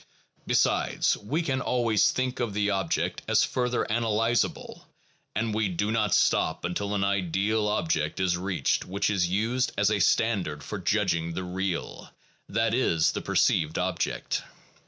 Besides, we can always think of the object as further analyzable, and we do not stop until an ideal object is reached which is used as a standard for judging the real, that is, the perceived object.